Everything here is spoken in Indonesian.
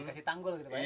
dikasih tanggul gitu pak